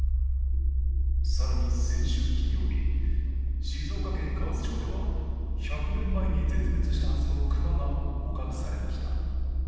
更に先週金曜日、静岡県河津町では１００年前に絶滅したはずの熊が捕獲されました。